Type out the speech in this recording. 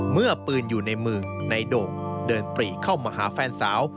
เมื่อปืนอยู่ในมือในโด่งเดินปรีเข้ามาหาแฟนสาว